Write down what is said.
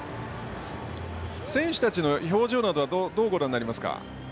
選手たちの表情などどうご覧になりますか。